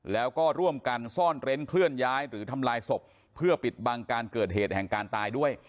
แล้วก็ร่วมกันซ่อนเร้นเคลื่อนย้ายหรือทำลายศพเพื่อปิดบังการเกิดเหตุแห่งการตายด้วย